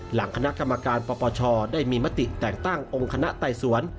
หลังคณะกรรมการปปชได้มีมติแต่งตั้งองค์คณะไต่สวน